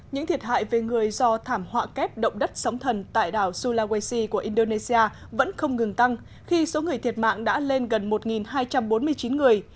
những thiệt hại về người do thảm họa kép động đất sóng thần tại đảo sulawesi của indonesia vẫn không ngừng tăng khi số người thiệt mạng đã lên gần một hai trăm bốn mươi chín người